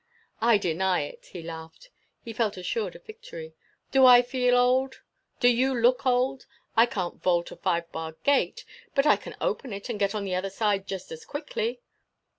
"I deny it!" he laughed. He felt assured of victory. "Do I feel old? Do you look old?—I can't vault a five barred gate, but I can open it and get on the other side just as quickly!"